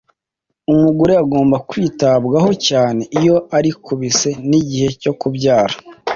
Umugore agomba kwitabwaho cyane iyo ari ku bise n’igihe cyo kubyara